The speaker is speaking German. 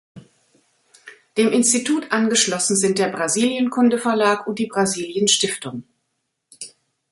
Dem Institut angeschlossen sind der Brasilienkunde-Verlag und die Brasilien-Stiftung.